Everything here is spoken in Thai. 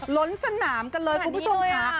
ล้นสนามกันเลยคุณผู้ชมค่ะ